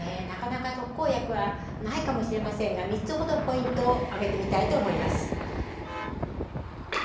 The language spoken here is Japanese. なかなか特効薬はないかもしれませんが３つほどポイントを挙げてみたいと思います。